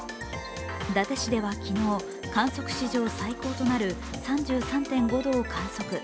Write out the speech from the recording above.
伊達市では昨日、観測史上最高となる３３．５度を観測。